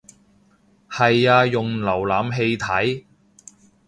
係啊用瀏覽器睇